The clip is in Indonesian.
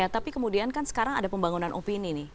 tapi kemudian kan sekarang ada pembangunan opini nih